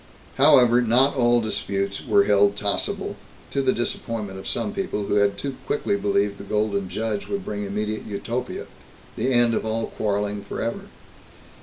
However, not all disputes were held tossable, to the disappointment of some people who had too quickly believed the Golden Judge would bring immediate Utopia, the end of all quarreling forever.